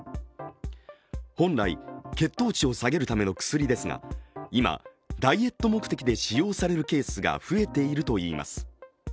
本来、血糖値を下げるための薬ですが今、ダイエット目的で使用されるケースが増えているといいます。